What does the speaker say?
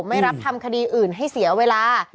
ไม่รับทำคดีอื่นให้เสียเวลา